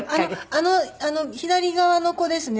あの左側の子ですね。